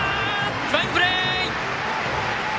ファインプレー！